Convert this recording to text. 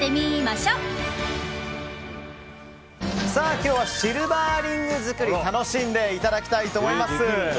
今日はシルバーリング作り楽しんでいただきたいと思います。